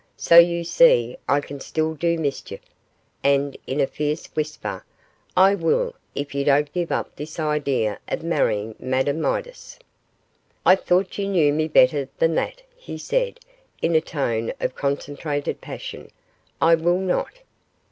So you see I can still do mischief, and,' in a fierce whisper, 'I will, if you don't give up this idea of marrying Madame Midas.' 'I thought you knew me better than that,' he said, in a tone of concentrated passion. 'I will not.